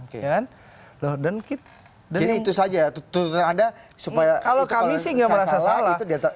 kalau kami sih nggak merasa salah